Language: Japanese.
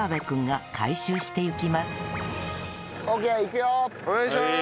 はい。